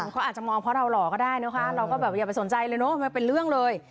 เขาอาจจะมองเพราะเราหลอก็ได้เราก็อย่าไปสนใจเลยไม่เป็นเรื่องเลย